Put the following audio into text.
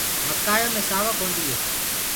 مڪآيو مي سآوڪ ئي هوندي هي